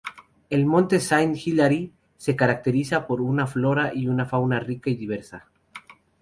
El Monte Saint Hilaire se caracteriza por una flora y fauna rica y diversa.